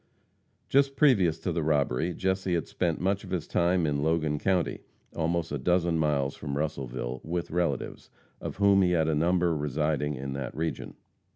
Just previous to the robbery, Jesse had spent much of his time in Logan county, almost a dozen miles from Russellville, with relatives, of whom he had a number residing in that region.